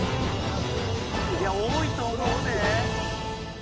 いや多いと思うで。